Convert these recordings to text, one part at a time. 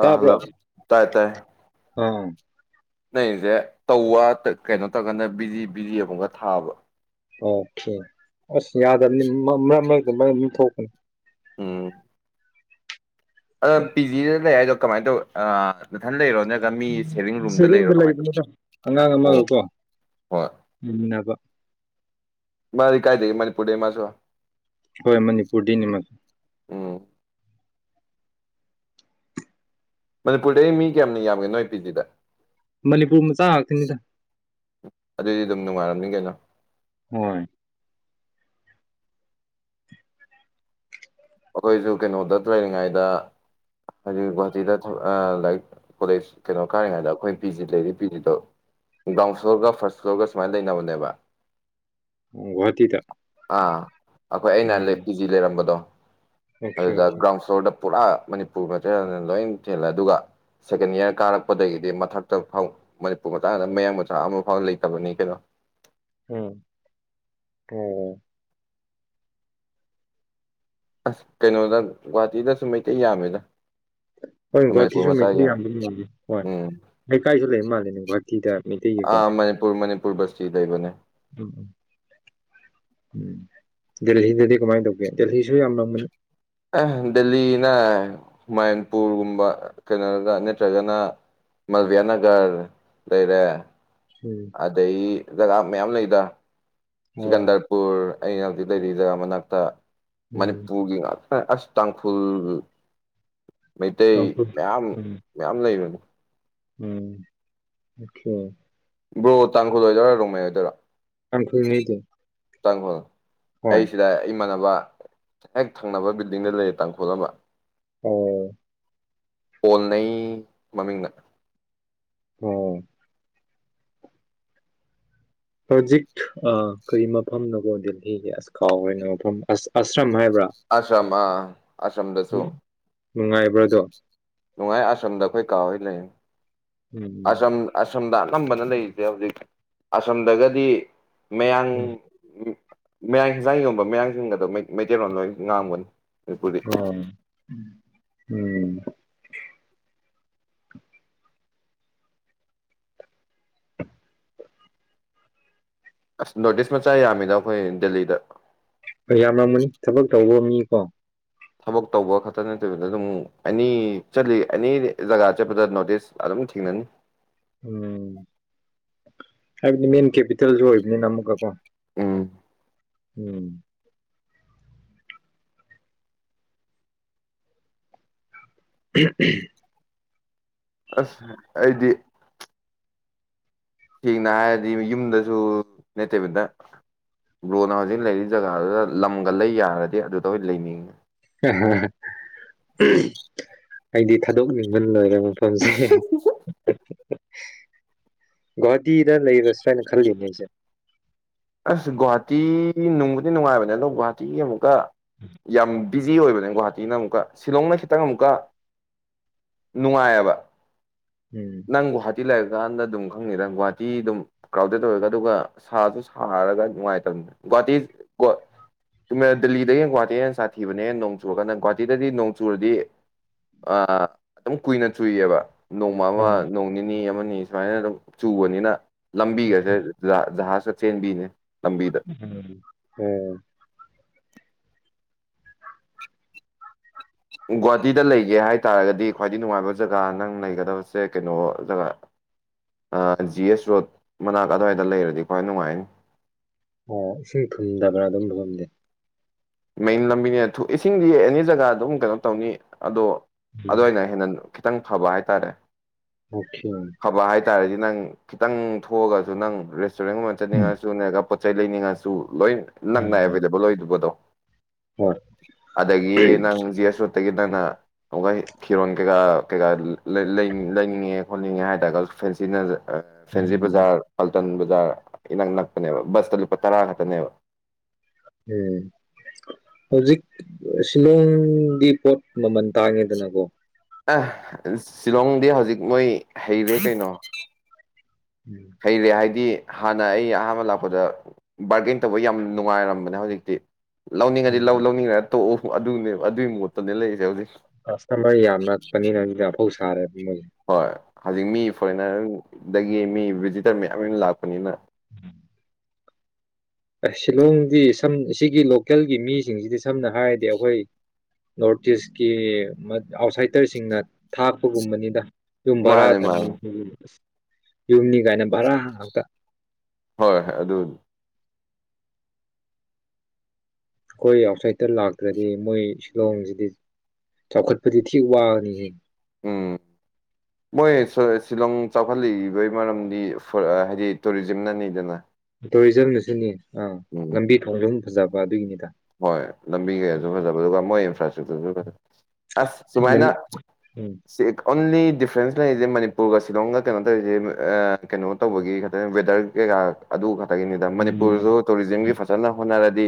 ꯑꯥ hello ꯑꯥ ꯅꯣꯏꯁꯦ ꯇꯧꯋꯥ ꯀꯩꯅꯣ ꯇꯧꯒꯥꯟꯗ ꯕꯤꯖꯤ ꯕꯤꯖꯤ ꯑꯃꯒ ꯊꯥꯕ ꯑꯣꯀꯦ ꯑꯁ ꯌꯥꯗꯕꯅꯤ ꯃꯔꯛ ꯃꯔꯛꯇ ꯃꯔ ꯑꯗꯨꯝ ꯊꯣꯛꯀꯅꯤ ꯎꯝ ꯑ ꯄꯤ ꯖꯤꯗ ꯂꯩ ꯍꯥꯏꯗꯣ ꯀꯃꯥꯏꯅ ꯇꯧꯋ ꯃꯊꯟ ꯂꯩꯔꯣ ꯅꯠꯇ꯭ꯔꯒ ꯃꯤ ꯁꯦꯚꯤꯡ ꯔꯨꯝꯗ ꯂꯩꯔꯣ ꯁꯔꯤꯦꯡꯗ ꯀꯃꯥꯏꯅ ꯇꯧ ꯂꯩꯕꯅꯤꯗꯣ ꯑꯉꯥꯡ ꯑꯣ ꯑꯃꯒꯀꯣ ꯎꯝꯕ ꯃꯥꯔꯤ ꯀꯥꯏ ꯊ ꯃꯔꯤ ꯄꯨꯇꯁꯨ ꯍꯣꯏ ꯃꯅꯤꯄꯨꯔꯗꯤꯅꯤ ꯎꯝ ꯃꯅꯤꯄꯨꯔꯗ ꯃꯤ ꯀꯌꯥꯝꯅ ꯌꯥꯝꯒꯦꯅꯣꯏ ꯑꯦ ꯄꯤꯖꯤꯗ ꯃꯅꯤꯄꯨꯔ ꯃꯆꯥ ꯉꯥꯛꯇꯅꯤꯗ ꯑꯗꯨꯏꯗꯤ ꯑꯗꯨꯝ ꯅꯨꯡꯉꯥꯏꯔꯝꯅꯤ ꯀꯩꯅꯣ ꯍꯣꯏ ꯑꯩꯈꯣꯏꯁꯨ ꯀꯩꯅꯣꯗ ꯇ꯭ꯔꯔꯤꯉꯩꯗ ꯍꯥꯏꯖꯤꯛ ꯒꯨꯍꯥꯇꯤꯗ ꯂꯥꯏꯛ ꯀꯣꯂꯦꯖ ꯀꯩꯅꯣ ꯀꯥꯔꯤꯉꯗ ꯑꯩꯈꯣꯏ ꯄꯤ ꯖꯤ ꯂꯩꯔꯤ ꯄꯤ ꯖꯤꯗꯣ ꯒ꯭ꯔꯥꯎꯟ ꯐ꯭ꯂꯣꯔꯒ ꯐꯥꯔꯁ ꯐ꯭ꯂꯣꯔꯒ ꯁꯨꯃꯥꯏꯅ ꯂꯩꯅꯕꯅꯦꯕ ꯎꯒꯨꯋꯥꯍꯥꯇꯤꯗ ꯑꯥ ꯑꯩꯈꯣꯏ ꯑꯩꯅ ꯂꯦꯐ ꯀꯤ ꯖꯤ ꯂꯩꯔꯝꯕꯗꯣ ꯑꯣꯀꯦ ꯑꯗꯨꯗ ꯑꯣꯀꯦ ꯒ꯭ꯔꯥꯎꯟ ꯐ꯭ꯂꯣꯔꯗ ꯄꯨꯔꯥ ꯃꯅꯤꯄꯨꯔ ꯃꯊꯦꯜꯅ ꯂꯣꯏ ꯊꯦꯜꯂꯦ ꯑꯗꯨꯒ ꯁꯦꯀꯦꯟ ꯏꯌꯥꯔ ꯀꯥꯔꯛꯄꯗꯒꯤꯗꯤ ꯃꯊꯛꯇ ꯐꯥꯎ ꯃꯅꯤꯄꯨꯔ ꯃꯆꯥꯗ ꯃꯌꯥꯡ ꯃꯆꯥ ꯑꯃ ꯐꯥꯎ ꯂꯩꯇꯕꯅꯤ ꯀꯩꯅꯣ [unintelligible] ꯎꯝ ꯑꯣꯝ ꯑꯁ ꯀꯩꯅꯣꯗ ꯒꯨꯍꯥꯇꯤꯗꯁꯨ ꯃꯩꯇꯩ ꯌꯥꯝꯃꯦꯗ ꯍꯣꯏ ꯃꯅꯤꯄꯨꯔ ꯒꯨꯍꯥꯇꯤꯁꯨ ꯃꯆꯥ ꯃꯩ ꯌꯥꯝ ꯌꯥꯝꯦ ꯍꯣꯏ ꯎꯝ ꯂꯩꯀꯥꯏꯁꯨ ꯂꯩꯕ ꯃꯥꯜꯂꯦꯅꯦ ꯒꯨꯍꯥꯇꯤꯗ ꯃꯩꯇꯩꯒꯤꯀꯣ ꯄꯕꯁꯇꯤ ꯂꯩꯕꯅꯦ ꯎꯝ ꯎꯝ ꯗꯦꯦꯜꯜꯂꯤꯗꯗꯤ ꯀꯃꯥꯏꯅ ꯇꯧꯒꯦ ꯗꯦꯜꯂꯤꯁꯨ ꯌꯥꯝ ꯂꯒꯅꯤ ꯗꯦꯜꯂꯤꯅ ꯃꯟꯄꯨꯔꯒꯨꯝꯕ ꯀꯩꯅꯣꯗ ꯅꯠꯇ꯭ꯔꯒꯅ ꯃꯜꯕꯤꯌꯥ ꯅꯒꯔ ꯂꯩꯔꯦ ꯎꯝ ꯑꯗꯩ ꯖꯒꯥ ꯃꯌꯥꯝ ꯂꯩꯗ ꯑꯣ ꯁꯤꯀꯟꯗꯔꯄꯨꯔ ꯑꯩ ꯉꯥꯛꯇꯤ ꯂꯩꯔꯤꯗꯖ ꯃꯅꯥꯛꯇ ꯎꯝ ꯃꯅꯤꯄꯨꯔꯒꯤ ꯉꯥꯛꯇ ꯑꯁ ꯇꯥꯡꯈꯨꯜ ꯃꯩꯇꯩ ꯇꯥꯡꯈꯨꯜ ꯃꯌꯥꯝ ꯎꯝ ꯃꯌꯥꯝ ꯂꯩꯕꯅꯤ ꯎꯝ ꯑ‌ꯣꯀ‌ꯦ ꯕ꯭ꯔꯣ ꯇꯥꯡꯈꯨꯂꯣꯏꯗꯣꯏꯔꯥ ꯅꯣꯡꯉꯩ ꯑꯣꯏꯗꯣꯏꯔꯥ ꯀꯥꯟꯈꯩꯗ ꯆꯥꯡꯈꯣꯜ ꯑꯩꯁꯤꯗ ꯏꯃꯥꯟ ꯍꯦꯛ ꯊꯪꯅꯕ ꯕꯤꯜꯗꯤꯡꯗ ꯂꯩꯔ ꯇꯥꯡꯈꯣꯜ ꯑꯃ ꯑꯣ ꯄꯣꯟꯅꯩ ꯃꯃꯤꯡꯅ ꯑꯣ ꯍꯧꯖꯤꯛ ꯀꯩ ꯃꯐꯝꯅꯀꯣ ꯗꯦꯜꯂꯤꯒꯤ ꯑꯁ ꯀꯥꯎ ꯑꯣꯏꯅ ꯃꯐꯝ ꯑꯁ ꯑꯁ ꯑꯁ ꯑꯃ ꯑꯁꯣꯝꯗꯁꯨ ꯎꯝ ꯅꯨꯡꯉꯥꯏꯕ꯭ꯔꯥꯗꯣ ꯅꯨꯡꯉꯥꯏ ꯑꯁꯣꯝꯗ ꯑꯩꯈꯣꯏ ꯀꯥ ꯍꯣꯏ ꯂꯩꯑꯦ ꯎꯝ ꯑꯁꯔꯝ ꯑꯁꯔꯝꯗ ꯑꯅꯝꯕꯅ ꯂꯩꯔꯤꯁꯦ ꯍꯧꯖꯤꯛ ꯑꯁꯔꯝꯗꯒꯗꯤ ꯃꯌꯥꯡ ꯎꯝ ꯃꯌꯥꯡ ꯍꯤꯟꯖꯥꯡ ꯌꯣꯟꯕ ꯃꯌꯥꯡꯁꯤꯡꯒꯗꯣ ꯃꯩꯇꯩꯂꯣꯟ ꯂꯣꯏ ꯉꯥꯡꯒꯅꯤ ꯑꯣ ꯎꯝ ꯑꯁ ꯅꯣꯔꯠꯏꯁ ꯃꯆꯥ ꯌꯥꯝꯃꯤꯗ ꯑꯩꯈꯣꯏ ꯗꯦꯜꯂꯤꯗ ꯌꯥꯝ ꯃꯝꯒꯅꯤ ꯊꯕꯛ ꯇꯧꯕ ꯃꯤꯀꯣ ꯊꯕꯛ ꯇꯧꯕ ꯈꯛꯇ ꯅꯠꯇꯕꯤꯗ ꯑꯗꯨꯝ ꯑꯦꯅꯤ ꯆꯠꯂꯤ ꯑꯦꯅꯤ ꯖꯒꯥ ꯆꯠꯄꯗ ꯅꯣꯔꯠꯏꯁ ꯑꯗꯨꯝ ꯊꯦꯡꯅꯅꯤ ꯎꯝ ꯍꯥꯏꯕꯗꯤ ꯃꯦꯟ ꯀꯦꯄꯤꯇꯦꯜꯁꯨ ꯑꯣꯏꯕꯅꯤꯅ ꯑꯃꯨꯛꯀꯀꯣ ꯎꯝ ꯎꯝ [unintelligible] ꯑꯁ ꯑꯩꯗꯤ ꯁꯦꯡꯅ ꯍꯥꯏꯔꯗꯤ ꯌꯨꯝꯗꯁꯨ ꯅꯠꯇꯕꯤꯗ ꯕꯔꯣꯅ ꯍꯧꯖꯤꯛ ꯂꯩꯔꯤ ꯖꯒꯥꯗꯨꯗ ꯂꯝꯒ ꯂꯩ ꯌꯥꯔꯗꯤ ꯑꯗꯨꯗ ꯑꯣꯏꯅ ꯂꯩꯅꯤꯡꯉꯤ ꯑꯩꯗꯤ ꯊꯥꯗꯣꯛꯅꯤꯡꯕꯅ ꯂꯣꯏꯔꯦ ꯃꯐꯝꯁꯤ ꯒꯣꯍꯥꯇꯤꯗ ꯂꯩꯔꯁꯤꯔꯅ ꯈꯜꯂꯤꯅꯦ ꯑꯩꯁꯦ ꯑꯥꯁ ꯒꯨꯍꯥꯇꯤ ꯅꯨꯡꯕꯨꯗꯤ ꯅꯨꯡꯉꯥꯏꯕꯅꯦ ꯑꯗꯣ ꯒꯨꯍꯥꯇꯤꯒꯤ ꯑꯃꯨꯛꯀꯥ ꯌꯥꯝ ꯕꯤꯖꯤ ꯑꯣꯏꯕꯅꯦ ꯒꯨꯍꯥꯇꯤꯅ ꯑꯃꯨꯛꯀ ꯁꯤꯂꯣꯡꯅ ꯈꯤꯇꯪ ꯑꯃꯨꯛꯀ ꯅꯨꯡꯉꯥꯏꯌꯦꯕ ꯎꯝ ꯒꯨꯍꯥꯇꯤ ꯂꯩꯔꯀꯥꯟꯗ ꯑꯗꯨꯝ ꯈꯪꯉꯤꯗ ꯒꯨꯍꯥꯇꯤ ꯑꯗꯨꯝ ꯀ꯭ꯔꯥꯎꯗꯦꯗ ꯑꯣꯏꯔꯒ ꯑꯗꯨꯒ ꯁꯥꯁꯨ ꯔꯒ ꯅꯨꯡꯥꯏ ꯇꯕꯅꯤ ꯗꯤꯜꯂꯤꯗꯒꯤꯅ ꯒꯨꯍꯥꯇꯤ ꯅ ꯍꯦꯟꯅ ꯁꯥꯊꯤꯕꯅꯦ ꯅꯣꯡ ꯆꯨꯔꯀꯥꯟ ꯒꯨꯍꯥꯇꯤꯗꯗꯤ ꯅꯣꯡꯆꯨꯔꯗꯤ ꯑꯥ ꯑꯗꯨꯝ ꯀꯨꯏꯅ ꯆꯨꯏꯌꯦꯕ ꯅꯣꯡꯃ ꯑꯃ ꯎꯝ ꯅꯣꯡ ꯅꯤꯅꯤ ꯑꯃꯅꯤ ꯁꯨꯃꯥꯏꯅ ꯑꯗꯨꯝ ꯆꯨꯕꯅꯤꯅ ꯂꯝꯕꯤꯒꯁꯦ ꯖꯍꯥꯖ ꯆꯦꯟꯕꯤꯅꯦ ꯎꯝ ꯍꯝ ꯒꯨꯍꯥꯇꯤꯗ ꯂꯩꯒꯦ ꯍꯥꯏꯇꯥꯥꯔꯒꯗꯤ ꯈ꯭ꯋꯥꯏꯗꯒꯤ ꯅꯨꯡꯉꯥꯏꯕ ꯖꯒꯥ ꯅꯪ ꯂꯩꯒꯗꯕꯁꯦ ꯀꯩꯅꯣ ꯖꯒꯥ ꯖꯤ ꯑꯦꯁ ꯔꯣꯗ ꯃꯅꯥꯛ ꯑꯗꯨꯋꯥꯏꯗ ꯂꯩꯔꯗꯤ ꯈ꯭ꯋꯥꯏ ꯅꯨꯡꯉꯥꯏꯅꯤ ꯏꯁꯤꯡ ꯊꯨꯝꯗꯕ꯭ꯔꯥ ꯑꯗꯨ ꯃꯐꯝꯗꯤ ꯃꯦꯟ ꯂꯝꯕꯤꯅꯦ ꯏꯁꯤꯡꯗꯤ ꯑꯦꯅꯤ ꯖꯒꯥ ꯑꯗꯨꯝ ꯀꯩꯅꯣ ꯇꯧꯅꯤ ꯑꯗꯣ ꯑꯗꯨ ꯎꯝ ꯋꯥꯏꯅ ꯍꯦꯟꯅ ꯈꯤꯇꯪ ꯐꯕ ꯍꯥꯏꯇꯥꯔꯦ ꯑꯣꯀꯦ ꯐꯕ ꯍꯥꯏꯇꯥꯥꯔꯗꯤ ꯅꯪ ꯈꯤꯇꯪ ꯊꯣꯛꯑꯒꯁꯨ ꯅꯪ ꯔꯦꯁꯇꯨꯔꯦꯟꯒꯨꯝꯕ ꯎꯝ ꯆꯠꯅꯤꯡꯉꯁꯨ ꯅꯠꯇ꯭ꯔꯒ ꯄꯣꯠꯆ ꯆꯩ ꯂꯩꯅꯤꯡꯉꯁꯨ ꯂꯣꯏ ꯅꯛꯅ ꯎꯝ ꯑꯦꯕꯥꯏꯂꯦꯕꯜ ꯑꯣꯏꯗꯕꯗꯣ ꯍꯣꯏ ꯑꯗꯒꯤ ꯅꯪ ꯖꯁ ꯒꯤ ꯅꯪꯅ ꯑꯃꯨꯛ ꯐꯤꯔꯣꯟ ꯀꯩꯀꯥ ꯀꯩꯀꯥ ꯂꯩꯅꯤꯡꯉꯦ ꯈꯣꯠꯅꯤꯡꯉꯦ ꯍꯥꯏꯇꯥꯔꯒ ꯐꯦꯟꯁꯤ ꯐꯦꯟꯁꯤ ꯎꯝ ꯕꯖꯥꯔ ꯇꯟ ꯕꯖꯥꯔ ꯏꯅꯛ ꯅꯛꯄꯅꯦꯕ ꯕꯁꯇ ꯂꯨꯄꯥ ꯇꯔꯥ ꯈꯛꯇꯅꯦꯕ ꯎꯝ ꯍꯧꯖꯤꯛ ꯁꯤꯂꯣꯡꯒꯤ ꯄꯣꯠ ꯃꯃꯜ ꯇꯥꯡꯉꯦꯗꯅꯀꯣ ꯑ ꯁꯤꯂꯣꯡꯗꯤ ꯍꯧꯖꯤꯛ ꯃꯣꯏ ꯍꯩꯔꯦ ꯀꯩꯅꯣ ꯎꯝ ꯍꯩꯔꯦ ꯍꯥꯏꯗꯤ ꯍꯥꯟꯅ ꯑꯩ ꯑꯍꯥꯟꯕ ꯂꯥꯛꯄꯗ ꯕꯥꯔꯒꯦꯟ ꯇꯧꯕ ꯌꯥꯝ ꯅꯨꯡꯉꯥꯏꯔꯝꯕꯅꯦ ꯍꯧꯖꯤꯛꯇꯤ ꯂꯧꯅꯤꯡꯉꯗꯤ ꯂꯧ ꯂꯧꯅꯤꯡꯉ ꯇꯣꯛꯎ ꯑꯗꯨꯅꯦ ꯑꯗꯨꯒꯤ ꯃꯣꯠꯇꯅꯦ ꯂꯩꯔꯤꯁꯦ ꯍꯧꯖꯤꯛ ꯀꯁꯇꯃꯔ ꯌꯥꯝꯂꯛ ꯄꯅꯤꯅ ꯑꯐꯥꯎ ꯁꯔꯦ ꯍꯣꯏ ꯍꯧꯖꯤꯛ ꯃꯤ ꯐꯣꯔꯦꯟꯅꯔꯗꯒꯤ ꯃꯤ ꯚꯤꯖꯤꯇꯔ ꯃꯌꯥꯝ ꯂꯥꯛꯄꯅꯤꯅ ꯎꯝ ꯁꯤꯂꯣꯡꯗꯤ ꯁꯝ ꯁꯤꯒꯤ ꯂꯣꯀꯦꯜꯒꯤ ꯃꯤꯁꯤꯡꯁꯤꯗꯤ ꯁꯝꯅ ꯍꯥꯏꯔꯗꯤ ꯑꯩꯈꯣꯏ ꯅꯣꯔꯠ ꯏꯁꯀꯤ ꯑꯥꯎꯠꯁꯥꯏꯗꯔꯁꯤꯡꯅ ꯊꯥꯛꯄꯒꯨꯝꯕꯅꯤꯗ ꯌꯨꯝ ꯚꯔꯥ ꯃꯥꯅꯦ ꯊꯝ ꯃꯥꯅꯦ ꯑ ꯌꯨꯝꯅꯤ ꯀꯥꯏꯅ ꯚꯔꯥ ꯉꯥꯛꯇ ꯍꯣꯏ ꯍꯣꯏ ꯑꯗꯨ ꯑꯩꯈꯣꯏ ꯑꯥꯎꯠꯁꯥꯏꯗꯠꯇ ꯂꯥꯛꯇ꯭ꯔꯗꯤ ꯃꯣꯏ ꯁꯤꯂꯣꯡꯁꯤꯗꯤ ꯆꯥꯎꯈꯠꯄꯗꯤ ꯊꯤ ꯋꯥꯅꯤꯍꯦ ꯎꯝ ꯃꯣꯏ ꯁꯤꯂꯣꯡ ꯆꯥꯎꯈꯠꯂꯛꯏꯕꯒꯤ ꯃꯔꯝꯗꯤ ꯍꯥꯏꯗꯤ ꯇꯨꯔꯤꯖꯝꯅꯅꯤꯗꯅ ꯇꯣꯔꯤꯖꯝꯅ ꯁꯤꯅꯤ ꯑꯥ ꯎꯝ ꯂꯝꯕꯤ ꯊꯣꯡꯁꯨ ꯐꯖꯕ ꯑꯗꯨꯒꯤꯅꯤꯗ ꯍꯣꯏ ꯂꯝꯕꯤ ꯀꯌꯥꯁꯨ ꯐꯖꯕ ꯑꯗꯨꯒ ꯃꯣꯏ ꯏꯟꯐ꯭ꯔꯥꯁ꯭ꯇ꯭ꯔꯛꯆꯔꯁꯨ ꯐꯖ ꯑꯁ ꯁꯨꯃꯥꯏꯅ ꯃꯅꯤ ꯎꯝ ꯩꯅ ꯇ ꯈꯒꯤꯅꯤ ꯃꯅꯤꯄꯨꯔꯁꯨ ꯎꯝ ꯇꯨꯔꯤꯖꯝꯒꯤ ꯐꯖꯅ ꯍꯣꯠꯅꯔꯗꯤ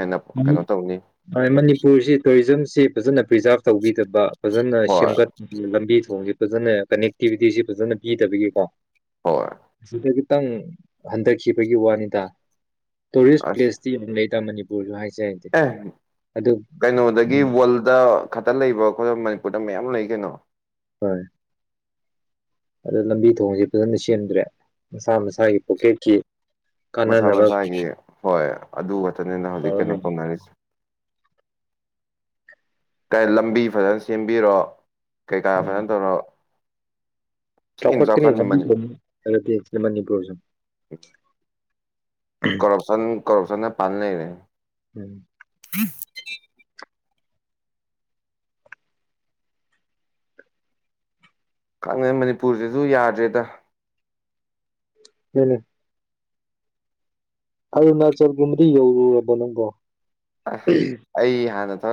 ꯍꯦꯟꯅ ꯀꯩꯅꯣ ꯇꯧꯅꯤ ꯃꯅꯤꯄꯨꯔꯁꯤ ꯇꯨꯔꯤꯖꯝꯁꯤ ꯐꯖꯅ ꯄ꯭ꯔꯤꯖꯥꯕ ꯇꯧꯕꯤꯗꯕ ꯐꯖꯅ ꯍꯣꯏ ꯁꯦꯝꯒꯠ ꯂꯝꯕꯤ ꯊꯣꯡꯁꯤ ꯐꯖꯅ ꯀꯅꯦꯛꯇꯤꯕꯤꯇꯤꯁꯤ ꯐꯖꯅ ꯄꯤꯗꯕꯒꯤꯀꯣ ꯍꯣꯏ ꯁꯤꯗ ꯈꯤꯇꯪ ꯍꯟꯊꯈꯤꯕꯒꯤ ꯋꯥꯅꯤꯗ ꯇꯨꯔꯤꯁ ꯑꯁ ꯄ꯭ꯂꯦꯁꯇꯤ ꯑꯃꯝ ꯂꯩꯇꯥ ꯃꯅꯤꯄꯨꯔꯁꯨ ꯍꯥꯏꯁꯦ ꯍꯥꯏꯗꯤ ꯑꯦ ꯑꯗꯨ ꯀꯩꯅꯣꯗꯒꯤ ꯔꯜꯗ ꯈꯛꯇ ꯂꯩꯕ ꯈꯣꯠ ꯃꯅꯤꯄꯨꯔꯗ ꯃꯌꯥꯝ ꯂꯩ ꯀꯩꯅꯣ ꯍꯣꯏ ꯑꯗ ꯂꯝꯕꯤ ꯊꯣꯡꯁꯦ ꯐꯖꯅ ꯁꯦꯝꯦꯟꯗ꯭ꯔꯦ ꯃꯁꯥ ꯃꯁꯥꯒꯤ ꯄꯣꯀꯦꯠꯀꯤ ꯃꯁꯥ ꯀꯥꯟꯅꯅꯕ ꯃꯁꯥꯒꯤ ꯍꯣꯏ ꯑꯗꯨ ꯈꯛꯇꯅꯤꯅ ꯍꯧꯖꯤꯛ ꯀꯩꯅꯣ ꯇꯧꯔ ꯇꯧꯅꯔꯤꯁꯦ ꯂꯝꯕꯤ ꯐꯖꯅ ꯁꯦꯝꯕꯤꯔꯣ ꯀꯩꯀꯥ ꯐꯖꯅ ꯇꯧꯅꯔꯣ ꯆꯈꯠ ꯇ ꯌꯥꯝꯂꯗꯤ ꯏꯅꯤꯄ꯭ꯔꯌꯣꯖ ꯀꯣꯔꯞꯁꯟ ꯀꯣꯔꯞꯁꯟꯅ ꯄꯥꯥꯟꯅ ꯔꯦ ꯎꯝ ꯎ ꯀꯪꯅ ꯃꯅꯤꯄꯨꯔꯁꯤꯁꯨ ꯌꯥꯗ꯭ꯔꯦꯗ ꯎꯅꯦ ꯑꯔꯨꯅꯥꯆꯜꯒꯨꯝꯕꯗꯤ ꯌꯧꯔꯨꯔꯕꯣ ꯅꯪꯕꯣ ꯑꯩ ꯍꯥꯟꯅ ꯊ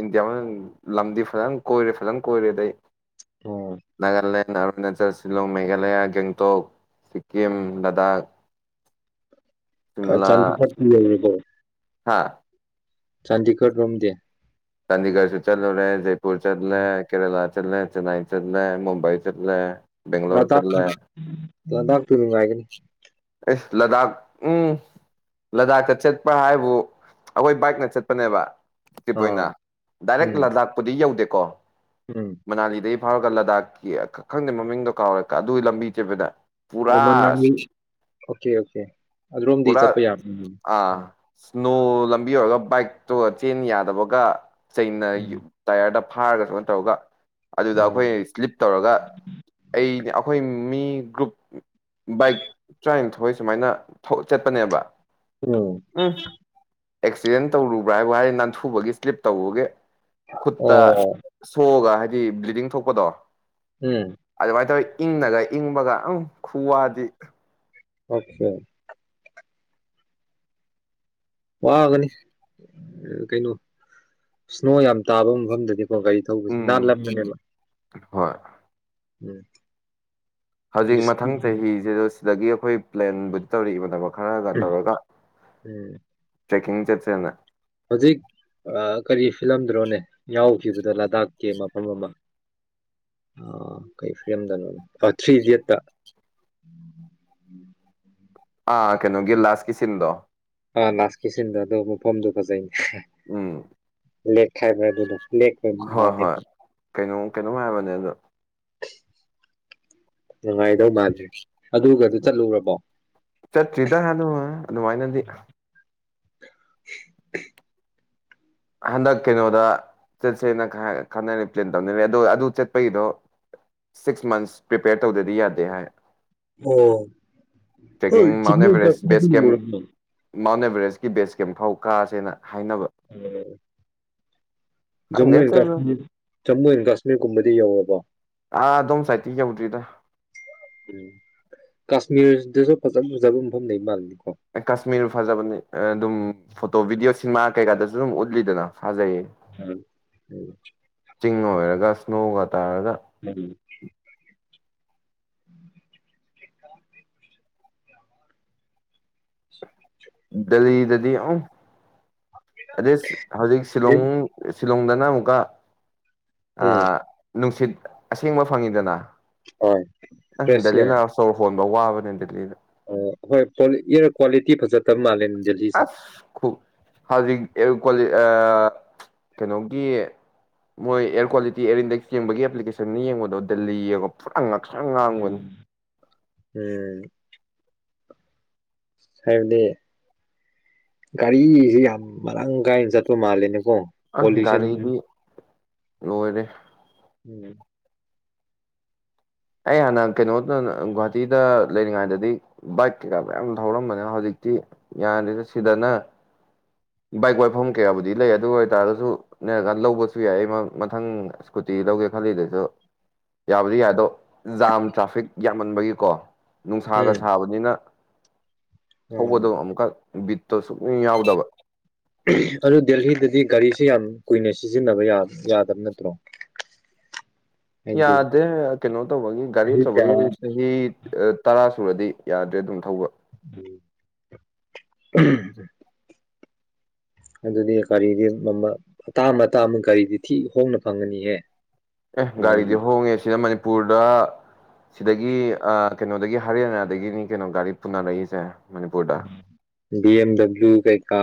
ꯏꯟꯗꯤꯌꯥ ꯂꯝꯗꯤ ꯐꯖꯅ ꯀꯣꯏꯔꯦ ꯐꯖꯅ ꯀꯣꯏꯔꯦ ꯑꯗꯩ ꯑꯣ ꯅꯥꯒꯜꯂꯦ ꯑꯔꯨꯅꯥꯆꯜ ꯁꯤꯂꯣꯡ ꯃꯦꯘꯥꯂꯌꯥ ꯒꯦꯡꯇꯣꯛ ꯁꯤꯛꯀꯤꯝ ꯂꯥꯗꯥꯛ [unintelligible] ꯆꯥꯟꯗꯤ ꯐꯠꯇ ꯂꯩꯔꯄꯣ [unintelligible] ꯍꯥꯥ ꯆꯥꯟꯗꯤꯒꯔ ꯔꯣꯝꯗꯤ ꯆꯥꯟꯗꯤꯒꯔꯁꯤ ꯆꯜꯔꯦ ꯖꯦꯄꯨꯔ ꯆꯠꯂꯦ ꯀꯦꯔꯂꯥ ꯆꯠꯂꯦ ꯆꯦꯟꯅꯏ ꯆꯠꯂꯦ ꯃꯨꯝꯕꯥꯩ ꯆꯠꯂꯦ ꯕꯦꯡꯒ꯭ꯂꯣꯔ ꯆꯠꯂꯦ ꯂꯗꯥꯛꯇꯨ ꯅꯨꯡꯉꯥꯏꯒꯅꯤ ꯑꯦꯁ ꯂꯗꯥꯛ ꯎꯝ ꯂꯗꯥꯛꯇ ꯆꯠꯄ ꯍꯥꯏꯕꯨ ꯑꯩꯈꯣꯏ ꯕꯥꯏꯛꯅ ꯆꯠꯄꯅꯦꯕ ꯇꯤꯞ ꯑꯣꯏꯅ ꯑꯥ ꯗꯥꯏꯔꯦꯛ ꯎꯝ ꯂꯥꯗꯥꯛꯄꯨꯗꯤ ꯌꯧꯗꯦꯀꯣ ꯎꯝ ꯃꯅꯥꯂꯤꯗꯩ ꯐꯥꯎꯔꯒ ꯂꯥꯗꯥꯛꯀꯤ ꯈꯪꯗꯦ ꯃꯃꯤꯡꯗꯣ ꯀꯥꯎꯔꯦ ꯑꯗꯨꯒꯤ ꯂꯝꯕꯤ ꯆꯄꯗ ꯑꯣ ꯄꯨꯔꯥ ꯃꯅꯥꯂꯤ ꯑꯣꯀꯦ ꯑꯣꯀꯦ ꯑꯗꯨꯔꯣꯝꯗꯤ ꯆꯠꯄ ꯌꯥꯕ ꯎꯝ ꯅꯣ ꯂꯝꯕꯤ ꯑꯣꯏꯔꯒ ꯕꯥꯏꯛꯇꯣꯒ ꯆꯦꯟ ꯌꯥꯗꯕꯒ ꯆꯩꯅ ꯎꯝ ꯇꯥꯏꯌꯔꯗ ꯐꯥꯔꯒ ꯁꯨꯃꯥꯏꯅ ꯇꯧꯔꯒ ꯑꯗꯨꯗ ꯑꯩꯈꯣꯏ ꯎꯝ ꯁ꯭ꯂꯤꯞ ꯇꯧꯔꯒ ꯑꯩ ꯑꯩꯈꯣꯏ ꯃꯤꯒ꯭ꯔꯨꯨꯞ ꯕꯥꯏꯛ ꯊꯏ ꯁꯨꯃꯥꯏꯅ ꯆꯠꯄꯅꯦꯕ ꯎꯝ ꯑꯦꯛꯁꯤꯗꯦꯟ ꯇꯧꯔꯨꯕ꯭ꯔꯥ ꯍꯥꯏꯕꯨ ꯍꯥꯏꯗꯤ ꯅꯥꯟꯊꯨꯕꯒꯤ ꯁ꯭ꯂꯤꯞ ꯇꯧꯕꯒꯤ ꯈꯨꯠꯇ ꯑꯣ ꯁꯣꯛꯑꯒ ꯍꯥꯏꯗꯤ ꯕ꯭ꯂꯤꯗꯤꯡ ꯊꯣꯛꯄꯗꯣ ꯎꯝ ꯑꯗꯨꯃꯥꯏꯅ ꯇꯧꯋꯤ ꯏꯪꯅꯒ ꯏꯪꯕꯒ ꯎ ꯈꯨꯋꯥꯗꯤ ꯑꯣꯆꯥꯦ ꯋꯥꯒꯅꯤ ꯀꯩꯅꯣ ꯁ꯭ꯅꯣ ꯌꯥꯝ ꯇꯥꯕ ꯃꯐꯝꯗꯗꯤ ꯒꯥꯔꯤ ꯊꯧꯕꯁꯦ ꯎꯝ ꯅꯥꯜꯂꯝꯕꯅꯦꯕ ꯍꯣꯏ ꯎꯝ ꯍꯧꯖꯤꯛ ꯗꯤꯁ ꯃꯊꯪ ꯆꯍꯤꯁꯤꯗ ꯁꯤꯗꯒꯤ ꯑꯩꯈꯣꯏ ꯄ꯭ꯂꯦꯟꯕꯨꯗꯤ ꯇꯧꯔꯛꯏꯕꯅꯦꯕꯣ ꯈꯔꯒ ꯎꯝ ꯇꯧꯔꯒ ꯎꯝ ꯇ꯭ꯔꯦꯛꯀꯤꯡ ꯆꯠꯁꯦꯅ ꯍꯧꯖꯤꯛ ꯀꯔꯤ ꯐꯤꯂꯝꯗ꯭ꯔꯣꯅꯦ ꯌꯥꯎꯈꯤꯕꯗꯣ ꯂꯥꯗꯥꯛꯀꯤ ꯃꯐꯝ ꯑꯃ ꯑ ꯀꯩ ꯐꯤꯂꯝꯗꯅꯣ ꯊ꯭ꯔꯤ ꯏꯗꯤꯌꯦꯠꯇ ꯑꯥ ꯀꯩꯅꯣ ꯒꯤ ꯂꯥꯁꯀꯤ ꯁꯤꯟꯗꯣ ꯑ ꯂꯥꯁꯀꯤ ꯁꯤꯟꯗꯣ ꯑꯗꯨꯏ ꯃꯐꯝꯗꯨ ꯐꯖꯩꯅꯦ ꯎꯝ ꯂꯦꯛ ꯈꯥꯏꯕ ꯑꯗꯨꯅ ꯂꯦ ꯃꯥ [unintelligible] ꯀꯩꯅꯣ ꯍꯥꯏꯔꯕꯅꯦ ꯑꯗꯣ ꯅꯨꯡꯉꯥꯏꯗꯧ ꯃꯥꯜꯂꯦ ꯑꯗꯨꯒꯗꯨ ꯆꯠꯂꯨꯔꯕꯣ ꯆꯠꯇ꯭ꯔꯤꯗ ꯍꯅꯨ ꯑꯗꯨꯃꯥꯏꯅꯗꯤ [unintelligible] ꯍꯟꯗꯛ ꯀꯩꯅꯣꯗ ꯆꯠꯁꯦꯅ ꯈꯟꯅꯔꯦ ꯄ꯭ꯂꯦꯟ ꯇꯧꯅꯦ ꯑꯣ ꯑꯗꯨ ꯆꯠꯄꯩꯗꯣ ꯁꯤꯛꯁ ꯃꯟꯁ ꯄ꯭ꯔꯤꯄꯦꯌꯔ ꯇꯧꯗꯗꯤ ꯌꯥꯗꯦ ꯍꯥꯏ ꯑꯣ ꯇ꯭ꯔꯦꯛꯀꯤꯡ ꯆ ꯃꯥꯎꯟ ꯑꯦꯚꯔꯦꯁ ꯕꯦꯁ ꯀꯦꯝ [unintelligible] ꯃꯥꯎꯟ ꯑꯦꯚꯔꯦꯁꯀꯤ ꯕꯦꯁ ꯀꯦꯝ ꯐꯥꯎ ꯀꯥꯁꯦꯅ ꯍꯥꯏꯅꯕ ꯎꯝ ꯈꯪꯗꯦ ꯆꯠꯂꯨ ꯖꯝꯃꯨ ꯑꯦꯟ ꯀꯥꯁꯃꯤꯔꯒꯨꯝꯕꯗꯤ ꯌꯧꯔꯕꯣ ꯑꯥ ꯗꯣꯝꯁꯥꯏꯗ ꯇꯝ ꯌꯧꯗ꯭ꯔꯤꯗ ꯎꯝ ꯀꯥꯁꯃꯤꯔꯗꯁꯨ ꯐꯖ ꯐꯖꯕ ꯃꯐꯝ ꯂꯩ ꯃꯥꯜꯅꯤ ꯀꯥꯁꯃꯤꯔꯕꯨ ꯐꯖꯕꯅꯤ ꯑꯗꯨꯝ ꯐꯣꯇꯣ ꯚꯤꯗꯤꯑꯣ ꯁꯤꯅꯦꯃꯥ ꯀꯩꯀꯥꯗꯁꯨ ꯑꯗꯨꯝ ꯎꯠꯂꯤꯗꯅ ꯐꯖꯩꯌꯦ ꯍ ꯍ ꯆꯤꯡ ꯑꯣꯏꯔꯒ ꯁ꯭ꯅꯣꯒ ꯇꯥꯔꯒ ꯗꯦꯂꯤ ꯗꯗꯤ ꯑ ꯑꯗꯩ ꯍꯧꯖꯤꯛ ꯁꯤꯂꯣꯡ ꯁꯤꯂꯣꯡꯗꯅ ꯑꯃꯨꯛꯀ ꯎꯝ ꯅꯨꯡꯁꯤꯠ ꯑꯁꯦꯡꯕ ꯐꯪꯉꯤꯗꯅ ꯍꯣꯏ ꯑ ꯐ꯭ꯔꯦꯁ ꯗꯦꯜꯂꯤ ꯂꯥꯛꯔ ꯁ ꯍꯣꯟꯕ ꯋꯥꯕꯅꯦ ꯗꯦꯜꯂꯤꯗ ꯑ ꯍꯣꯏ ꯏꯌꯥꯔ ꯀ꯭ꯋꯥꯂꯤꯇꯤ ꯐꯖꯠꯇꯕ ꯃꯥꯜꯂꯦ ꯗꯦꯜꯂꯤꯁꯦ ꯍꯧꯖꯤꯛꯣ ꯀꯩꯅꯣꯒꯤ ꯃꯣꯏ ꯑꯦꯌꯥꯔ ꯀ꯭ꯋꯥꯂꯤꯇꯤ ꯏꯌꯥꯔ ꯏꯟꯗꯦꯛꯁ ꯌꯦꯡꯕꯒꯤ ꯑꯦꯄ꯭ꯂꯤꯀꯦꯁꯟꯅ ꯌꯦꯡꯕꯗꯣ ꯗꯦꯜꯂꯤꯒ ꯄꯨꯠ ꯉꯛ ꯎꯝ ꯍꯝ ꯍꯥꯏꯕꯗꯤ ꯒꯥꯔꯤꯁꯤ ꯌꯥꯝ ꯃꯔꯥꯡ ꯀꯥꯏꯅ ꯆꯠꯄ ꯃꯥꯜꯂꯦꯅꯦ ꯑꯣꯣ ꯑꯁ ꯄꯣꯂꯨꯁꯟ ꯒꯥꯔꯤꯗꯤ ꯂꯣꯏꯔꯦ ꯎꯝ ꯑꯩ ꯍꯥꯟꯅ ꯀꯩꯅꯣꯗ ꯒꯨꯍꯥꯇꯤꯗ ꯂꯩꯔꯤꯉꯩꯗꯗꯤ ꯕꯥꯏꯛ ꯀꯩꯀꯥ ꯃꯌꯥꯝ ꯊ ꯍꯧꯔꯝꯕꯅꯦ ꯍꯧꯖꯤꯛ ꯌꯥꯅꯤꯗ ꯁꯤꯗꯅ ꯕꯥꯏꯛ ꯋꯥꯏꯐꯝ ꯀꯌꯥꯕꯨꯗꯤ ꯂꯩ ꯑꯗꯨ ꯑꯣꯏꯇꯥꯔꯒꯁꯨ ꯅꯔꯀꯥꯟꯗ ꯂꯧꯕꯁꯨ ꯌꯥꯏ ꯑꯩ ꯃꯊꯪ ꯏꯁꯀꯨꯇꯤ ꯀꯩꯗꯧꯒꯦ ꯈꯜꯂꯤꯗꯨꯁꯨ ꯌꯥꯕꯨꯗꯤ ꯌꯥꯏ ꯑꯗꯣ ꯖꯥꯝ ꯇ꯭ꯔꯥꯐꯤꯛ ꯌꯥꯝꯃꯟꯕꯒꯤꯀꯣ ꯅꯨꯡꯁꯥꯒ ꯎꯝ ꯁꯥꯕꯅꯤꯅ ꯎꯝ ꯊꯧꯕꯗꯣ ꯑꯃꯨꯛꯀ ꯕꯤꯠꯇꯣ ꯁꯨꯛꯅꯤꯡ ꯌꯥꯎꯗꯕ ꯑꯗꯨ ꯗꯦꯍꯤꯗꯗꯤ ꯒꯥꯔꯤꯁꯦ ꯌꯥꯝ ꯀꯨꯏꯅ ꯁꯤꯖꯤꯟꯅꯕ ꯌꯥꯗꯕ ꯅꯠꯇ꯭ꯔꯣ [inaudible] ꯍꯥꯏꯗꯤ ꯌꯥꯗꯦ ꯀꯩꯅꯣ ꯇꯧꯕꯒꯤ ꯒꯥꯔꯤ ꯇꯧꯕꯒꯤ ꯆꯍꯤ ꯇꯔꯥ ꯊꯨꯔꯗꯤ ꯌꯥꯗ꯭ꯔꯦ ꯑꯗꯨꯝ ꯊꯧꯕ ꯎ ꯑꯗꯨꯗꯤ ꯀꯒꯥꯔꯤꯗꯤ ꯑꯇꯥ ꯑꯃꯇꯥ ꯑꯃ ꯀꯒꯥꯔꯤꯗꯤ ꯊꯤ ꯍꯣꯡꯅ ꯐꯪꯉꯅꯤꯍꯦ ꯑꯦ ꯒꯥꯔꯤꯗꯤ ꯍꯣꯡꯉꯦ ꯁꯤꯅ ꯃꯅꯤꯄꯨꯔꯗ ꯁꯤꯗꯒꯤ ꯑ ꯀꯩꯅꯣꯗꯒꯤ ꯍꯔꯤꯌꯥꯅꯥꯗꯒꯤꯅꯤ ꯀꯩꯅꯣ ꯒꯥꯔꯤ ꯄꯨꯅꯔꯛꯏꯁꯦ ꯃꯅꯤꯄꯨꯔꯗ ꯕꯤ ꯑꯦꯝ ꯗꯕ꯭ꯂꯤꯎ ꯀꯩ ꯀꯥ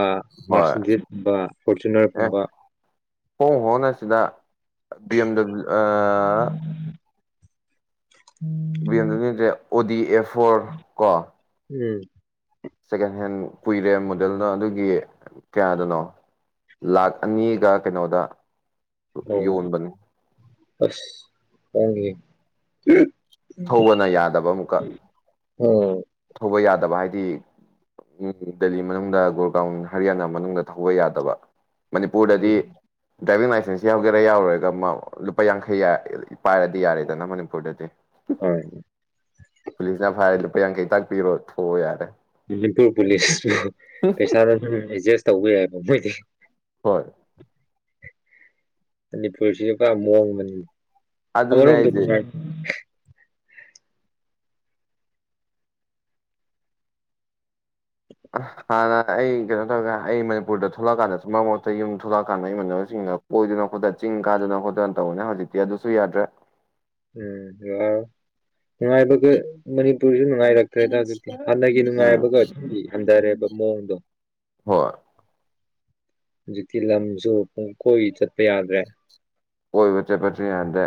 ꯍꯣꯏ ꯃꯥꯔꯁꯤꯗꯤꯁꯀꯨꯝꯕ ꯑꯦ ꯐꯣꯔꯆꯨꯅꯔꯒꯨꯝꯕ ꯍꯣꯡ ꯍꯣꯡꯅꯁꯤꯗ ꯕꯤ ꯑꯦꯝ ꯗꯕ꯭ꯂꯤꯎ ꯑ ꯕꯤ ꯑꯦꯝ ꯗꯨꯗ꯭ꯔꯦ ꯑꯣ ꯗꯤ ꯑꯦꯐꯣꯔ ꯀꯣ ꯁꯦꯀꯦꯟ ꯍꯦꯟ ꯀꯨꯏꯔꯦ ꯃꯣꯗꯦꯜꯅꯣ ꯑꯗꯨꯒꯤ ꯀꯌꯥꯗꯅꯣ ꯂꯥꯛ ꯑꯅꯤꯒ ꯀꯩꯅꯣꯗ ꯎꯝ ꯌꯣꯟꯕꯅꯤ ꯑꯁ ꯍꯣꯡꯒꯦ ꯊꯧꯕꯅ ꯌꯥꯗꯕ ꯑꯃꯨꯛꯀ ꯎꯝ ꯊꯧꯕ ꯌꯥꯗꯕ ꯍꯥꯏꯗꯤ ꯎꯝ ꯗꯦꯜꯂꯤ ꯃꯅꯨꯡꯗ ꯒꯣꯔꯒꯥꯎ ꯟ ꯍꯔꯤꯌꯥꯅꯥ ꯃꯅꯨꯡꯗ ꯊꯧꯕ ꯌꯥꯗꯕ ꯃꯅꯤꯄꯨꯔꯗꯗꯤ ꯗ꯭ꯔꯥꯏꯕꯤꯡ ꯂꯥꯏꯁꯦꯟꯁ ꯌꯥꯎꯒꯦꯔꯥ ꯌꯥꯎꯔꯒ ꯂꯨꯄꯥ ꯌꯥꯡꯈꯩ ꯄꯥꯏꯔꯗꯤ ꯌꯥꯔꯦꯗꯅ ꯃꯅꯤꯄꯨꯔꯗꯗꯤ ꯍꯝ ꯄꯨꯂꯤꯁꯅ ꯐꯥꯏꯔꯦ ꯂꯨꯄꯥ ꯌꯥꯡꯈꯩ ꯇꯥꯛ ꯄꯤꯔꯣ ꯊꯣꯛꯑꯣ ꯌꯥꯔꯦ ꯃꯅꯤꯄꯨꯔ ꯄꯨꯂꯤꯁꯄꯨ ꯄꯩꯁꯥꯗ ꯑꯗꯨꯝ ꯑꯦꯗꯖꯁ ꯇꯧꯕꯋ ꯍꯥꯏꯕ ꯃꯣꯏꯗꯤ ꯍꯣꯏ ꯃꯅꯤꯄꯨꯔꯁꯤ ꯄꯨ ꯃꯣꯡꯕꯅꯤ ꯑꯗꯨꯅꯦ ꯑꯃꯔꯣꯝꯗꯅꯤ ꯑꯩꯁꯦ ꯍꯥꯟꯅ ꯑꯩ ꯀꯩꯅꯣ ꯇꯧꯔꯒꯦ ꯑꯩ ꯃꯅꯤꯄꯨꯔꯗ ꯊꯣꯛꯂꯛꯑꯀꯥꯟꯗ ꯃꯔꯛ ꯃꯔꯛꯇ ꯌꯨꯝꯗ ꯊꯣꯛꯂꯛꯑꯀꯥꯟꯗ ꯑꯩ ꯃꯁꯤꯡ ꯀꯣꯏꯗꯅ ꯈꯣꯠꯇꯅ ꯆꯤꯡ ꯀꯥꯗꯅ ꯈꯣꯠꯇꯅ ꯇꯧꯕꯅꯦ ꯍꯧꯖꯤꯛꯇꯤ ꯑꯗꯨꯁꯨ ꯌꯥꯗ꯭ꯔꯦ ꯎꯝ ꯅꯨꯡꯉꯥꯏꯕꯒꯤ ꯃꯅꯤꯄꯨꯔꯁꯨ ꯅꯨꯡꯉꯥꯏꯔꯛꯇ꯭ꯔꯦꯗ ꯑꯗꯨ ꯍꯥꯟꯅꯒꯤ ꯎꯝ ꯅꯨꯡꯉꯥꯏꯕꯒ ꯑꯗꯨꯗꯤ ꯍꯟꯊꯔꯦꯕ ꯃꯑꯣꯡꯗꯣ ꯍꯣꯏ ꯍꯧꯖꯤꯛꯇꯤ ꯂꯝꯁꯨ ꯄꯨꯡ ꯀꯣꯏ ꯆꯠꯄ ꯌꯥꯗ꯭ꯔꯦ ꯀꯣꯏꯕ ꯆꯠꯄꯁꯨ ꯌꯥꯗ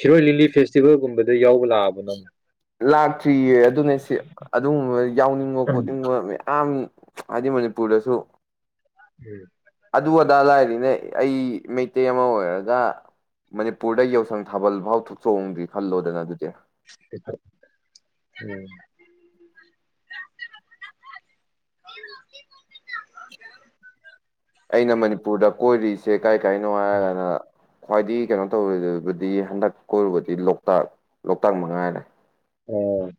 ꯁꯤꯔꯣꯏ ꯂꯤꯂꯤ ꯐꯦꯁꯇꯤꯚꯦꯜꯒꯨꯝꯕꯗ ꯌꯥꯎꯕ ꯂꯥꯛꯑꯕ ꯅꯪ ꯂꯥꯛꯇ꯭ꯔꯤꯌꯦ ꯑꯗꯨꯅꯦ ꯁꯤ ꯑꯗꯨꯒꯨꯝꯕ ꯌꯥꯎꯅꯤꯡꯕ ꯎꯝ ꯈꯣꯠꯅꯤꯡꯕ ꯌꯥꯝ ꯍꯥꯏꯗꯤ ꯃꯅꯤꯄꯨꯔꯗꯁꯨ ꯎꯝ ꯑꯗꯨ ꯑꯗꯥ ꯂꯥꯏꯔꯤꯅꯦ ꯑꯩ ꯃꯩꯇꯩ ꯑꯃ ꯑꯣꯏꯔꯒ ꯃꯅꯤꯄꯨꯔꯗ ꯌꯥꯎꯁꯪ ꯊꯥ ꯕꯜ ꯐꯥꯎ ꯊꯣꯛꯆꯣꯡꯗ꯭ꯔꯤ ꯈꯜꯂꯣꯗꯅ ꯑꯗꯨꯗꯤ ꯎꯝ [inaudible] ꯑꯩꯅ ꯃꯅꯤꯄꯨꯔꯗ ꯀꯣꯏꯔꯤꯁꯦ ꯀꯥꯏ ꯀꯥꯏꯅꯣ ꯍꯥꯏꯔꯒꯅ ꯈ꯭ꯋꯥꯏꯗꯒꯤ ꯀꯩꯅꯣ ꯇꯧꯔꯨꯕꯗꯤ ꯍꯟꯗꯛ ꯀꯣꯏꯔꯨꯕꯗꯤ ꯂꯣꯛꯇꯥꯛ ꯂꯣꯛꯇꯥꯛ ꯃꯉꯥꯏꯔꯦ ꯎꯝ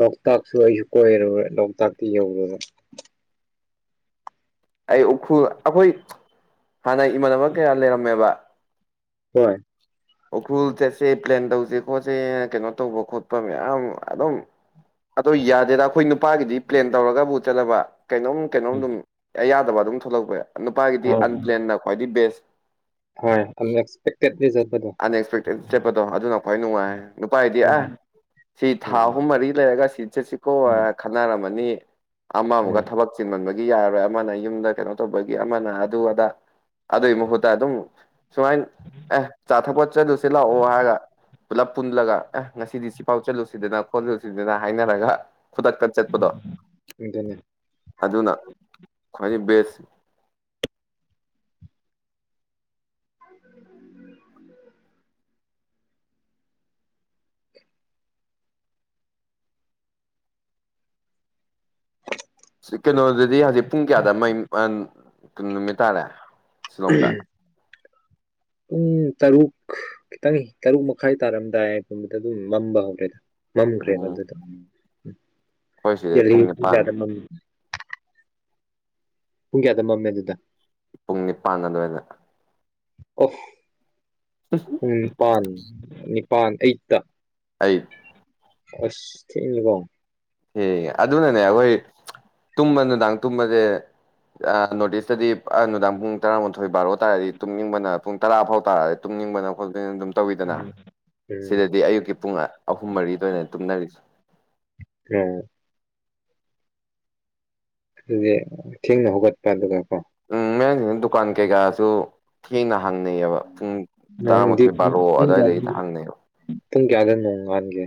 ꯂꯣꯛꯇꯥꯛꯁꯨ ꯑꯩꯁꯨ ꯀꯣꯏꯔꯨꯔꯦ ꯂꯣꯛꯇꯥꯛꯇꯤ ꯌꯧꯔꯨꯔ ꯑꯩ ꯎꯈ꯭ꯔꯨꯜ ꯑꯩꯈꯣꯏ ꯍꯥꯟꯅ ꯏꯃꯥꯟꯅꯕ ꯀꯌꯥ ꯂꯩꯔꯝꯃꯦꯕ ꯍꯣꯏ ꯎꯈ꯭ꯔꯨꯜ ꯆꯠꯁꯦ ꯄ꯭ꯂꯦꯟ ꯇꯧꯁꯦ ꯈꯣꯠꯁꯦ ꯀꯩꯅꯣ ꯇꯧꯕ ꯈꯣꯠꯄ ꯃꯌꯥꯝ ꯑꯗꯨꯝ ꯑꯗꯣ ꯌꯥꯗꯦꯗ ꯑꯩꯈꯣꯏ ꯅꯨꯄꯥꯒꯤꯗꯤ ꯄ꯭ꯂꯦꯟ ꯇꯧꯔꯒꯕꯨ ꯆꯠꯂꯕ ꯀꯩꯅꯣꯝ ꯀꯩꯅꯣꯝ ꯑꯗꯨꯝ ꯌꯥꯗꯕ ꯑꯗꯨꯝ ꯊꯣꯛꯂꯛꯄ ꯌꯥ ꯅꯨꯄꯥꯒꯤꯗꯤ ꯑꯟꯄ꯭ꯂꯦꯟꯅ ꯈ꯭ꯋꯥꯏꯗꯒꯤ ꯕꯦꯁ ꯍꯣꯢ ꯑꯟꯑꯦꯛꯁꯄꯦꯛꯇꯦꯠꯇ ꯆꯠ ꯑꯟꯑꯛꯁꯄꯦꯛꯇꯦꯠ ꯆꯠꯄꯗꯣ ꯑꯗꯨꯅ ꯈ꯭ꯋꯥꯏ ꯅꯨꯡꯉꯥꯏ ꯅꯨꯄꯥꯗꯤ ꯑ ꯎꯝ ꯁꯤ ꯊꯥ ꯑꯍꯨꯝ ꯃꯔꯤ ꯂꯩꯔꯒ ꯁꯤ ꯆꯠꯁꯤꯀꯣ ꯈꯟꯅꯔꯝꯃꯅꯤ ꯑꯃ ꯑꯃꯨꯒ ꯎꯝ ꯊꯕꯛ ꯆꯤꯟ ꯃꯕ ꯌꯥꯔꯔꯣꯏ ꯑꯃꯅ ꯌꯨꯝꯗ ꯀꯩꯅꯣ ꯇꯧꯕꯒꯤ ꯑꯃꯅ ꯑꯗꯨ ꯑꯗꯥ ꯑꯗꯨꯒꯤ ꯃꯍꯨꯠꯇ ꯑꯗꯨꯝ ꯁꯨꯃꯥꯏꯅ ꯑꯦ ꯆꯥꯊꯛꯄꯣꯠ ꯆꯂꯁꯤ ꯂꯥꯛꯑꯣ ꯍꯥꯏꯔꯒ ꯄꯨꯂꯞ ꯄꯨꯜꯂꯒ ꯑꯦ ꯉꯁꯤꯗꯤ ꯁꯤ ꯄꯥꯎ ꯆꯠꯂꯨꯁꯤꯗꯅ ꯈꯣꯠꯂꯨꯁꯤꯗꯅ ꯍꯥꯏꯅꯔꯒ ꯈꯨꯗꯛꯇ ꯆꯠꯄꯗꯣ ꯑꯗꯨꯅꯦ ꯑꯗꯨꯅ ꯈ꯭ꯋꯥꯏꯗꯒꯤ ꯕꯦꯁ [unintelligible] [unintelligible] ꯀꯩꯅꯣꯗꯗꯤ ꯍꯧꯖꯤꯛ ꯄꯨꯡ ꯀꯌꯥꯗꯩ ꯅꯨꯃꯤꯠ ꯇꯥꯔꯦ ꯁꯂꯗ ꯄꯨꯡ ꯇꯔꯨꯛ ꯈꯤꯇꯪ ꯇꯔꯨꯛ ꯃꯈꯥꯏ ꯇꯥꯔꯝꯗꯥꯏ ꯄꯨꯝꯕꯗ ꯑꯗꯨꯝ ꯃꯝꯕ ꯍꯧꯔꯦꯗ ꯃꯃ ꯀ꯭ꯔꯦꯗ ꯎꯝ ꯑꯩꯈꯣꯏ ꯁꯤꯗ ꯄꯨꯡ ꯅꯤꯄꯥꯟ ꯑꯗꯨꯗꯗ ꯃ ꯄꯨꯡ ꯀꯌꯥꯗ ꯃꯝꯃꯦ ꯑꯗꯨꯗ ꯄꯨꯡ ꯅꯤꯄꯥꯟ ꯑꯗꯨꯋꯥꯏꯗ ꯑꯣ ꯄꯨꯡ ꯅꯤꯄꯥꯟ ꯅꯤꯄꯥꯟ ꯑꯩꯠꯇ ꯑꯩ ꯑꯁ ꯊꯀꯣ ꯑꯦ ꯑꯗꯨꯅꯅꯦ ꯑꯩꯈꯣꯏ ꯇꯨꯝꯕ ꯅꯨꯡꯗꯥꯡ ꯇꯨꯝꯕꯁꯦ ꯅꯣꯔꯠ ꯏꯁꯇꯗꯤ ꯅꯨꯡꯗꯥꯡ ꯄꯨꯡ ꯇꯔꯥꯃꯥꯊꯣꯏ ꯕꯥꯔꯣ ꯇꯥꯔꯗꯤ ꯇꯨꯝꯅꯤꯡꯕꯅ ꯄꯨꯡ ꯇꯔꯥ ꯐꯥꯎ ꯇꯥꯔꯗꯤ ꯈꯪꯅꯤꯡꯕꯅ ꯈꯣꯠꯄ ꯑꯗꯨꯝ ꯇꯧꯋꯤꯗꯅ ꯎꯝ ꯎꯝ ꯁꯤꯗꯗꯤ ꯑꯌꯨꯛꯀꯤ ꯄꯨꯡ ꯑꯍꯨꯝ ꯃꯔꯤꯗ ꯑꯣꯏꯅ ꯇꯨꯝꯅꯔꯤꯁ ꯎꯝ ꯑꯗꯨ ꯊꯦꯡꯅ ꯍꯧꯒꯠꯄ ꯑꯗꯨꯒ ꯀꯣ ꯎꯝ ꯃ ꯗꯨꯀꯥꯟ ꯀꯩ ꯀꯁꯨ ꯊꯅ ꯍꯪꯅꯩꯑꯕ ꯄꯨꯡ ꯇꯔꯥꯃꯥꯊꯣꯏ ꯕꯥꯔꯣ ꯑꯗꯨꯋꯥꯏꯗꯩꯗ ꯍꯪꯅꯩꯑꯕ ꯇꯨꯨꯝ ꯀꯌꯥ ꯀ ꯃꯑꯣꯣꯡꯒꯦ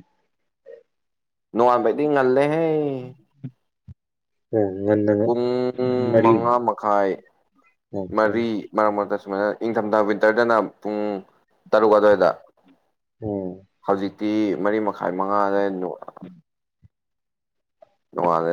ꯅꯅꯨꯡꯉꯕꯗꯤ ꯉꯜꯂꯦꯍꯦ ꯑꯣ ꯉꯟꯅ ꯄꯨꯡ ꯃꯔꯤ ꯃꯉꯥ ꯃꯈꯥꯏ ꯑꯣꯀꯦ ꯃꯔꯤ ꯃꯔꯝ ꯑꯣꯏꯗ ꯁꯨꯃꯥꯏꯅ ꯏꯪꯊꯝꯊꯥ ꯋꯤꯟꯇꯔꯗꯅ ꯄꯨꯡ ꯇꯔꯨꯛ ꯑꯗꯨꯋꯥꯏꯗ ꯑꯣꯝ ꯇꯤ ꯃꯔꯤ ꯃꯈꯥꯏ ꯃꯉꯥꯗꯣ ꯎꯝ ꯅꯅꯨꯡꯉꯅꯦ